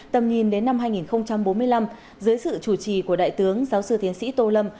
tầm nhìn đến năm hai nghìn bốn mươi năm dưới sự chủ trì của đại tướng giáo sư tiến sĩ tô lâm